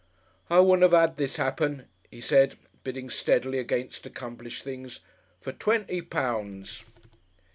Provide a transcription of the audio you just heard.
"I wouldn't 'ave 'ad that 'appen," he said, bidding steadily against accomplished things, "for twenty pounds."